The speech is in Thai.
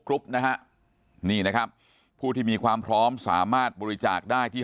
กรุ๊ปนะฮะนี่นะครับผู้ที่มีความพร้อมสามารถบริจาคได้ที่